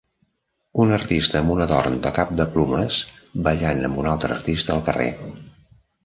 un artista amb un adorn de cap de plomes ballant amb un altre artista al carrer